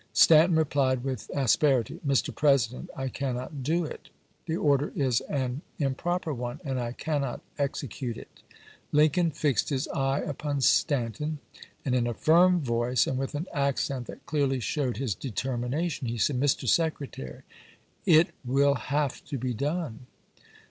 Stanton rephed with asperity: "Mr. President, I cannot do it. The order is an improper one, and I cannot execute it." Lincoln fixed his eye upon Stanton, and in a firm voice, and with an accent that clearly showed his determination, he said: " Mr. Secretary, it will have to be done.